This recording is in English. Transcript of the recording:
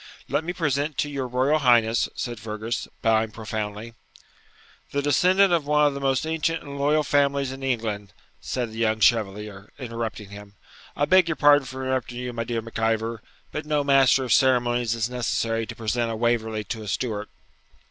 'Let me present to your Royal Highness,' said Fergus, bowing profoundly 'The descendant of one of the most ancient and loyal families in England,' said the young Chevalier, interrupting him. 'I beg your pardon for interrupting you, my dear Mac Ivor; but no master of ceremonies is necessary to present a Waverley to a Stuart.'